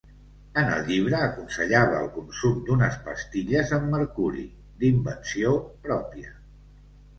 En el llibre aconsellava el consum d'unes pastilles amb mercuri, d'invenció pròpia.